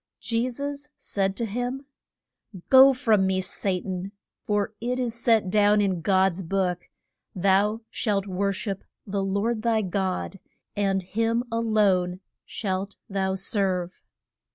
Je sus said to him, Go from me, Sa tan, for it is set down in God's book, Thou shalt wor ship the Lord thy God, and him a lone shalt thou serve.